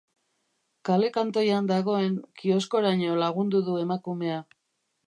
Kale kantoian dagoen kioskoraino lagundu du emakumea.